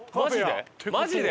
マジで？